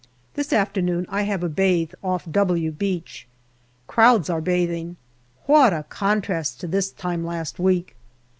This afternoon I have a bathe off " W " Beach. Crowds are bathing. What a contrast to this time last week